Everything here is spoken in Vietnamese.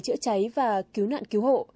chữa cháy và cứu nạn cứu hộ